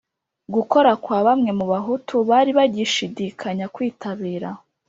Gukora kwa bamwe mu bahutu bari bagishidikanya kwitabira